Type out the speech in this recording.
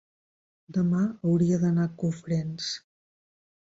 Demà hauria d'anar a Cofrents.